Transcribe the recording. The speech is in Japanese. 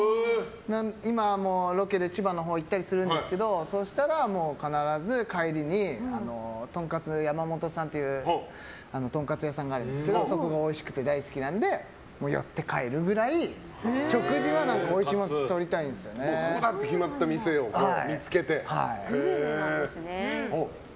今もロケで千葉のほう行ったりするんですけどそうしたら必ず帰りにとんかつ山本さんっていうとんかつ屋さんがあるんですけどそこがおいしくて大好きなので、寄って帰るくらい食事はおいしいものをここだって決まった店をグルメなんですね。